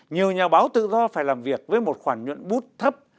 nhiều nhà báo tự do phải làm việc với một khoản nhuận bút thấp